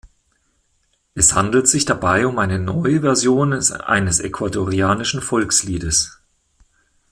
Es handelt sich dabei um eine neue Version eines ecuadorianischen Volksliedes.